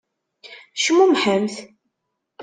Cmumḥemt!